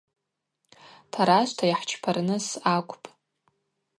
Тарашвта йхӏчпарныс акӏвпӏ.